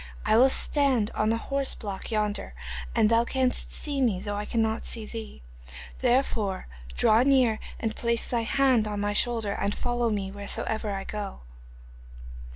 I will stand on the horse block yonder and thou canst see me though I cannot see thee. Therefore draw near and place thy hand on my shoulder and follow me wheresoever I go.